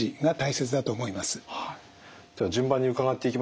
では順番に伺っていきます。